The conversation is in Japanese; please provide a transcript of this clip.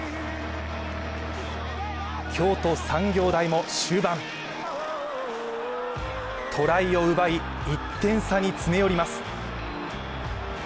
京都産業大も終盤トライを奪い、１点差に詰め寄ります。